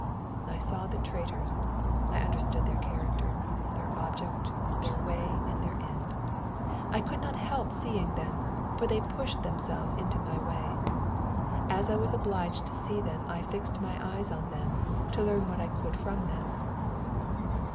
'*'* I saw the traitors ; I understood their character, tlieir object, their way, and their end. I could not help seeing them, for they pushed themselves into my way. As I was obliged to see them I fixed my eyes on them, to learn what I could from them.